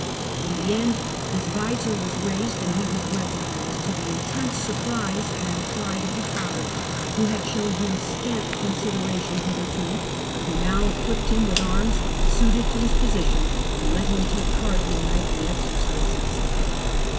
In the end his visor was raised and he was recognised, to the intense surprise and pride of the father, who had shown him scant consideration hither to, but who now equipped him with arms suited to his position and let him take part in knightly exercises.